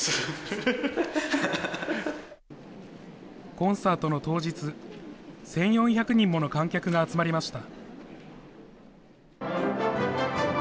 コンサートの当日、１４００人もの観客が集まりました。